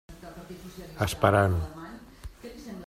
Esperant.